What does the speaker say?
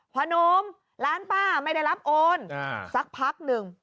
นมร้านป้าไม่ได้รับโอนสักพักหนึ่ง